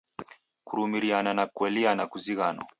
Kurumiriana na kueliana kuzighano.